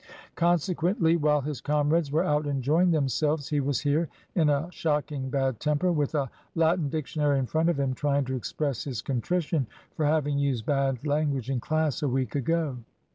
Consequently, while his comrades were out enjoying themselves, he was here in a shocking bad temper, with a Latin Dictionary in front of him, trying to express his contrition for having used bad language in class a week ago.